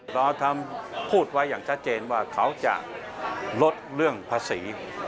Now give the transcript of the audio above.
เราทำพูดไว้อย่างชัดเจนว่าเขาจะลดเรื่องภาษี